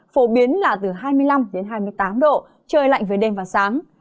phổ biến là từ hai mươi năm đến hai mươi tám độ trời lạnh về đêm và sáng